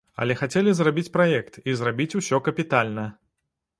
Але хацелі зрабіць праект і зрабіць усё капітальна.